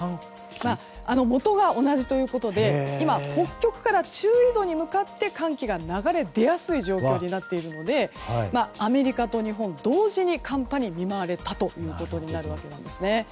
元が同じということで北極から中緯度に向かって寒気が流れ出やすい状況になっているのでアメリカと日本同時に寒波に見舞われたことになるわけなんですよね。